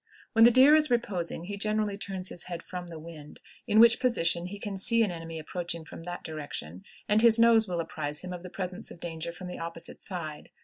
When the deer is reposing he generally turns his head from the wind, in which position he can see an enemy approaching from that direction, and his nose will apprise him of the presence of danger from the opposite side.